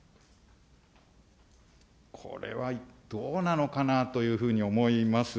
これはどうなのかなというふうに思います。